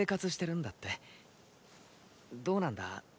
どうなんだ